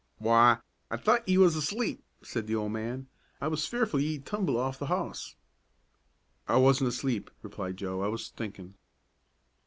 "W'y, I thought ye was asleep," said the old man. "I was fearful ye'd tumble off the hoss." "I wasn't asleep," replied Joe. "I was thinkin'."